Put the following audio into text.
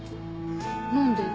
何で？